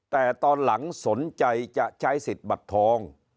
แต่ตอนหลังสนใจจะใช้สิทธิ์บัตรทอง